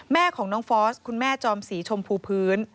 แม่ของน้องฟอสคุณแม่จอมสีชมพูพื้น